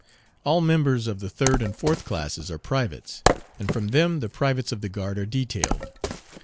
All members of the third and fourth classes are privates, and from them the privates of the guard are detailed.